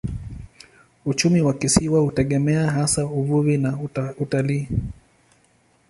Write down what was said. Uchumi wa kisiwa hutegemea hasa uvuvi na utalii.